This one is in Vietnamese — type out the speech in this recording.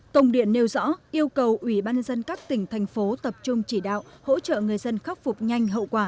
tổng điện nêu rõ yêu cầu ủy ban nhân dân các tỉnh thành phố tập trung chỉ đạo hỗ trợ người dân khắc phục nhanh hậu quả